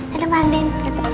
sama mbak andin